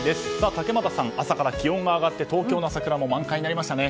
竹俣さん、朝から気温が上がって東京の桜も満開になりましたね。